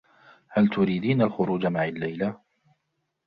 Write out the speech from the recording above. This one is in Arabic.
هل تريدين الخروج معي الليلة ؟